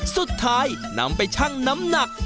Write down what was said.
สุดท้ายนำไปชั่งน้ำหนัก